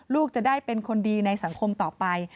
ลูกจะได้เป็นคนดีในสังคมต่อไป